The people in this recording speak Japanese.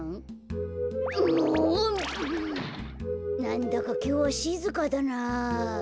なんだかきょうはしずかだなあ。